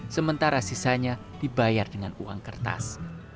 sementara sisanya dibayar dengan uang kertas